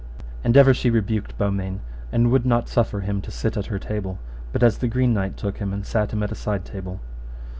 And ever she rebuked Beaumains, and would not suffer him to sit at her table, but as the Green Knight took him and sat him at a side table.